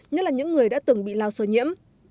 nhất là những người đã từng bị lao sơ nhiễm